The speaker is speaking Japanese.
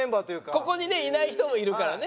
ここにねいない人もいるからね。